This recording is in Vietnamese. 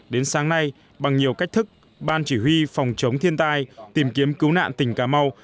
đến sáng nay bằng nhiều cách thức ban chỉ huy phòng chống thiên tai tìm kiếm cứu nạn tỉnh cà mau